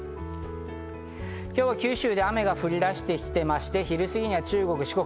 今日は九州で雨が降り出して来ていまして、昼過ぎには中国、四国。